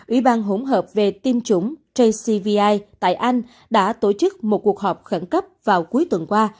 ủy ban hỗn hợp về tiêm chủng jcvi tại anh đã tổ chức một cuộc họp khẩn cấp vào cuối tuần qua